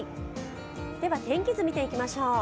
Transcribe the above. では、天気図、見ていきましょう。